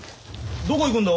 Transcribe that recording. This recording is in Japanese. どこ行くんだ？